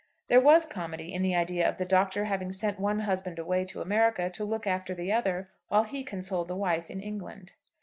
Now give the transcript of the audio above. There was comedy in the idea of the Doctor having sent one husband away to America to look after the other while he consoled the wife in England.